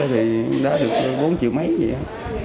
thì đá được bốn triệu mấy vậy á